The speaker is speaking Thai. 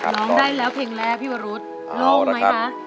ร้องได้แล้วเพลงแรกพี่วรุษโล่งไหมคะ